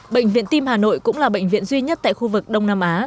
bệnh viện tim hà nội cũng là bệnh viện duy nhất tại khu vực đông nam á